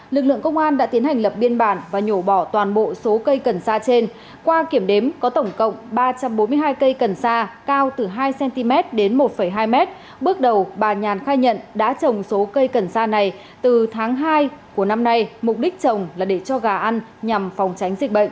lực lượng công an đã tiến hành lập biên bản và nhổ bỏ toàn bộ số cây cần sa trên qua kiểm đếm có tổng cộng ba trăm bốn mươi hai cây cần sa cao từ hai cm đến một hai m bước đầu bà nhàn khai nhận đã trồng số cây cần sa này từ tháng hai của năm nay mục đích trồng là để cho gà ăn nhằm phòng tránh dịch bệnh